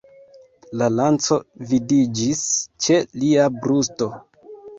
La lanco vidiĝis ĉe lia brusto.